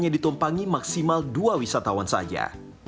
hanya ditumpangi maksimal dua wisatawan saja